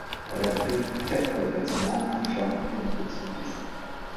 Elle abrite quatre bâtiments, un phare et une petite piste.